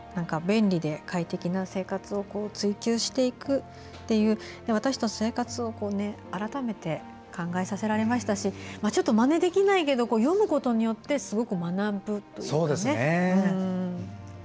便利で快適な生活を追求していくっていう私たちの生活を改めて考えさせられましたしちょっとまねできないけど読むことによってすごく学ぶというかね。